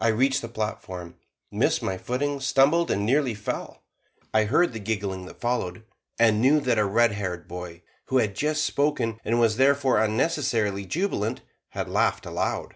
I reached the platform, missed my footing, stumbled, and nearly fell. I heard the giggling that followed, and knew that a red haired boy, who had just spoken, and was therefore unnecessarily jubilant, had laughed aloud.